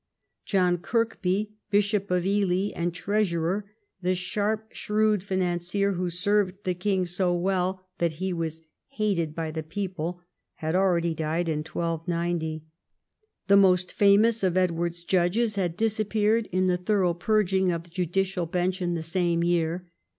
John Kirkby, Bishop of Ely and Treasurer, the sharp shrewd financier who served the king so well that he was hated by the people, had already died in 1290. The most famous of Edward's judges had disappeared in the thorough purging of the judicial bench in the same year.